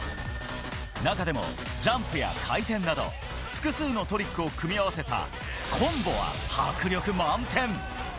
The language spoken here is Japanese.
中でもジャンプや回転など、複数のトリックを組み合わせたコンボは迫力満点。